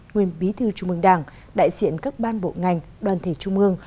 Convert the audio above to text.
nguyên bí thư trung mương đảng đại diện các ban bộ ngành đoàn thể trung mương